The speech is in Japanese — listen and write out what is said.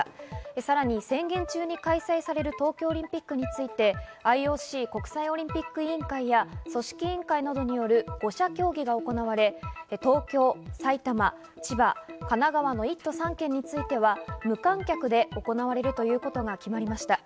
さらに宣言中に開催される東京オリンピックについて、ＩＯＣ＝国際オリンピック委員会や組織委員会などによる５者協議が行われ、東京、埼玉、千葉、神奈川の１都３県については、無観客で行われるということが決まりました。